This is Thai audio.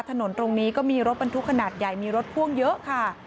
ถนนตรงนี้ก็มีรถบรรทุกขนาดใหญ่มีรถพ่วงเยอะค่ะ